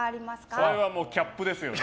それはもうキャップですよね。